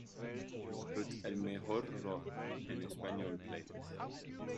put El Mejor Rock en Español playlist